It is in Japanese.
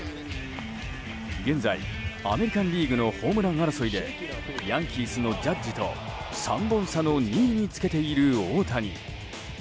現在、アメリカン・リーグのホームラン争いでヤンキースのジャッジと３本差の２位につけている大谷。